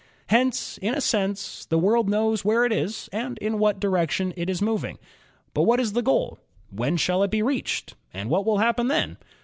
Hence, in a sense, the world knows where it is and in what direction it is moving. But what is the goal, when shall it be reached and what will happen then